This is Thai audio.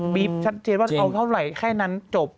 ชัดเจนว่าเอาเท่าไหร่แค่นั้นจบ